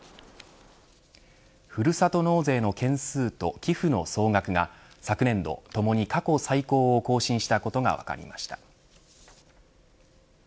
ふるさと納税の件数と寄付の総額が昨年度ともに過去最高を更新したことが分かりました。